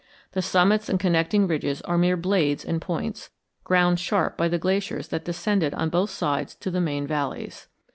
The summits and connecting ridges are mere blades and points, ground sharp by the glaciers that descended on both sides to the main valleys.